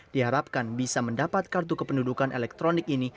diharapkan bisa mendapat kartu kependudukan elektronik ini